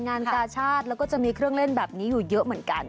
งานกาชาติแล้วก็จะมีเครื่องเล่นแบบนี้อยู่เยอะเหมือนกัน